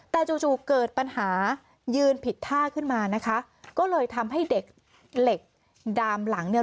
แต่จู่จู่เกิดปัญหายืนผิดท่าขึ้นมานะคะก็เลยทำให้เด็กเหล็กดามหลังเนี่ย